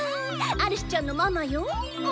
アリスちゃんのママよぅ。